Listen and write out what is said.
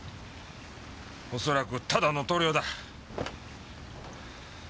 恐らくただの塗料だ。